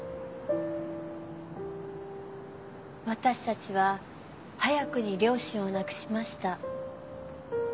私たちは早くに両親を亡くしました。